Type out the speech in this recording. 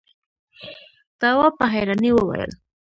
تواب په حيرانۍ وويل: